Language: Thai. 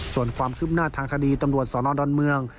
ส่วนความคืบหน้าทางคดีตำรวจสนดอนเมือง